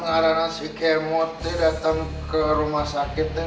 kita udah ngarenain si kemot dateng ke rumah sakit nih